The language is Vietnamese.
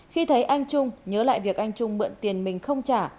khi thấy anh trung nhớ lại việc anh trung mượn tiền mình không trả